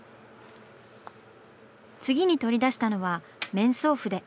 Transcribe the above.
次に取り出したのは面相筆。